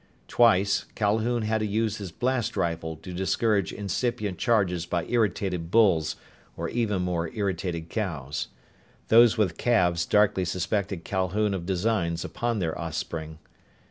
Twice, Calhoun had to use his blast rifle to discourage incipient charges by irritated bulls or even more irritated cows. Those with calves darkly suspected Calhoun of designs upon their offspring.